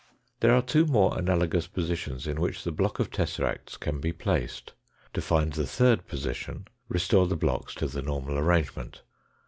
There are two more analogous positions in which the block of tesseracts can be placed. To find the third position, restore the blocks to the normal arrangement.